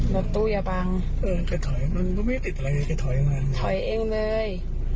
รถตู้อย่าบังเออแกถอยมันก็ไม่ติดอะไรแกถอยมาถอยเอวเลย